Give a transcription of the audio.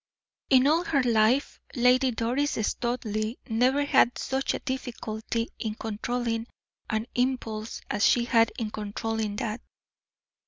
In all her life Lady Doris Studleigh never had such difficulty in controlling an impulse as she had in controlling that.